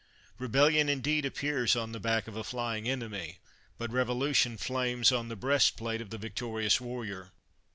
Rebellion indeed appears on the back of a flying enemy; but revolution flames on the breast plate of the victorious warrior.